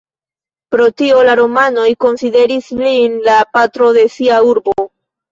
Pro tio, la romanoj konsideris lin la patro de sia urbo.